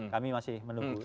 kami masih menunggu